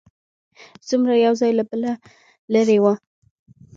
څومره یو ځای له بله لرې و.